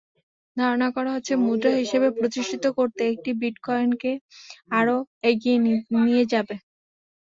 ধারণা করা হচ্ছে, মুদ্রা হিসেবে প্রতিষ্ঠিত করতে এটি বিটকয়েনকে আরও এগিয়ে নিয়ে যাবে।